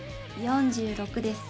４６です。